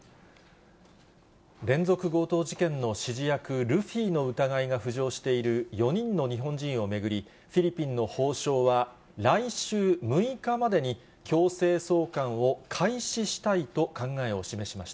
連続強盗事件の指示役、ルフィの疑いが浮上している４人の日本人を巡り、フィリピンの法相は、来週６日までに、強制送還を開始したいと考えを示しました。